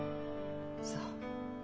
そう。